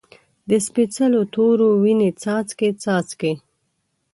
د سپیڅلو تورو، وینې څاڅکي، څاڅکي